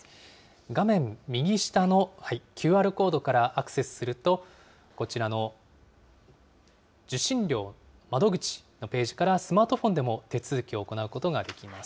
画面右下のＱＲコードからアクセスすると、こちらの受信料窓口のページから、スマートフォンでも手続きを行うことができます。